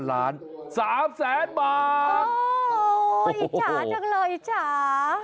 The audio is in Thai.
โอ้โฮอิจฉาจังเลยอิจฉา